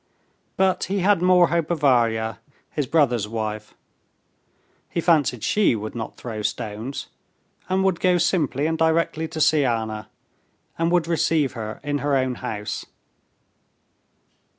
But he had more hope of Varya, his brother's wife. He fancied she would not throw stones, and would go simply and directly to see Anna, and would receive her in her own house.